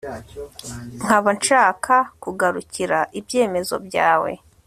nkaba nshaka kugarukira ibyemezo byawe